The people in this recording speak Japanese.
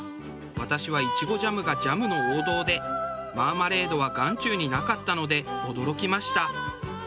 私はイチゴジャムがジャムの王道でマーマレードは眼中になかったので驚きました。